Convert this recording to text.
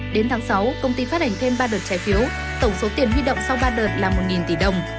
đến tháng sáu công ty phát hành thêm ba đợt trái phiếu tổng số tiền huy động sau ba đợt là một tỷ đồng